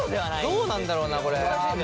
どうなんだろうなこれ。